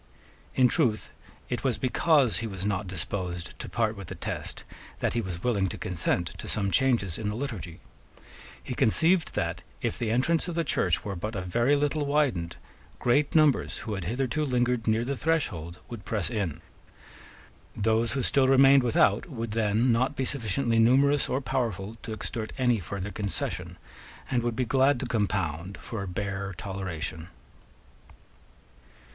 In truth it was because he was not disposed to part with the Test that he was willing to consent to some changes in the Liturgy. He conceived that, if the entrance of the Church were but a very little widened, great numbers who had hitherto lingered near the threshold would press in. Those who still remained without would then not be sufficiently numerous or powerful to extort any further concession, and would be glad to compound for a bare toleration.